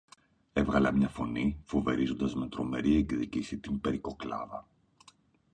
Έβγαλα μια φωνή, φοβερίζοντας με τρομερή εκδίκηση την περικοκλάδα.